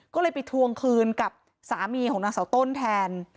ก็เลยไปทวงคืนกับสามีของนางเสาต้นแทน